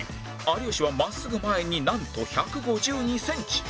有吉は真っすぐ前になんと１５２センチ